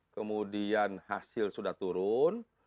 kemudian hasil sudah turun